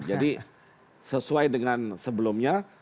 jadi sesuai dengan sebelumnya